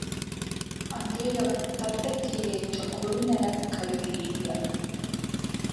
அன்றே அவன் தத்தைக்கு ஏற்ற கொழுநனெனக் கருதினேன் யான்.